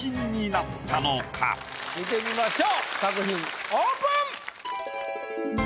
見てみましょう作品オープン！